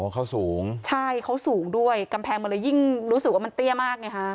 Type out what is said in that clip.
เขาสูงใช่เขาสูงด้วยกำแพงมันเลยยิ่งรู้สึกว่ามันเตี้ยมากไงฮะ